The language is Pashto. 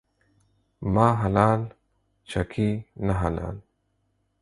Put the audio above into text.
ما حلال ، چکي نه حلال.